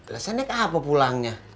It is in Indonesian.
rasanya ke apa pulangnya